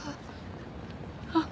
あっ。